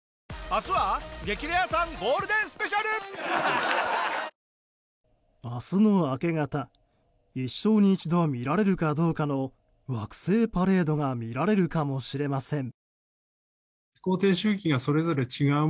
明日の明け方一生に一度見られるかどうかの惑星パレードが見られるかもしれません。